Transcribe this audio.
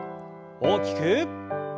大きく。